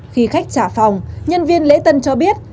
khi khách trả phòng nhân viên lễ tân cho biết